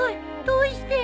どうして。